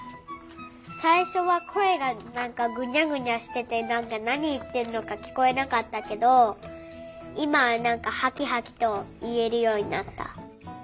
最初は声がなんかぐにゃぐにゃしててなんかなにいってんのかきこえなかったけど今はなんかハキハキといえるようになった。